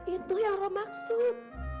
itu yang roh maksud